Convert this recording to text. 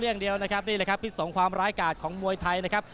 นี่แหละครับปิดส่งความร้ายกาดของมวยไทยนะครับ